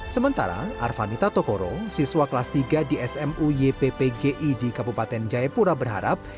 sementara arvanita tokoro siswa kelas tiga di smu yppgi di kabupaten jayapura berharap